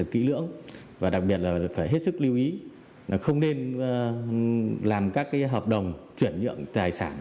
kỹ lưỡng và đặc biệt là phải hết sức lưu ý là không nên làm các hợp đồng chuyển nhượng tài sản